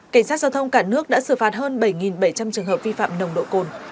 cảnh sát giao thông cả nước đã xử phạt hơn bảy bảy trăm linh trường hợp vi phạm nồng độ cồn